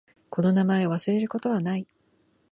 この名前を忘れることはない。